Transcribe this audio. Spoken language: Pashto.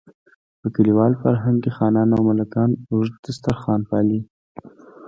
په کلیوال فرهنګ کې خانان او ملکان اوږد دسترخوان پالي.